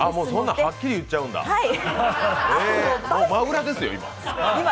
そんなはっきり言っちゃうんだ、真裏ですよ。